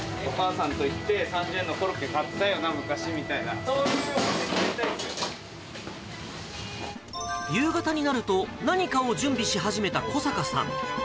お母さんと行って、３０円のコロッケ買ったよな、昔みたいな、そういう店になりた夕方になると、何かを準備し始めた小坂さん。